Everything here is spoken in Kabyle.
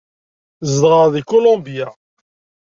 Zedɣeɣ deg Kulumbya.